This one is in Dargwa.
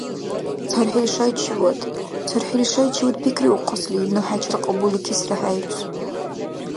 ЦархӀил шайчивад… ЦархӀил шайчивад пикриухъасли, ну хӀечил кьабуликесра хӀейрус.